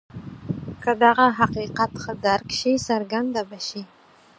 که دغه حقیقت ښه درک شي څرګنده به شي.